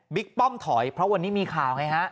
ป้อมถอยเพราะวันนี้มีข่าวไงฮะ